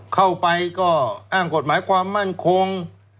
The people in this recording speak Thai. เข้าไปก็อ้างกฎหมายความมั่นคง